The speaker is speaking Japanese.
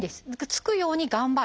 つくように頑張る。